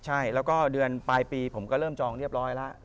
ใช่แล้วก็เดือนปลายปีผมก็เริ่มจองเรียบร้อยแล้ว